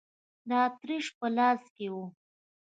د اتریش په لاس کې و.